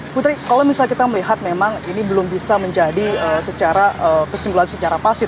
putri kalau misalnya kita melihat memang ini belum bisa menjadi secara kesimpulan secara pasif